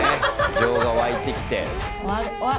情が湧いてきて。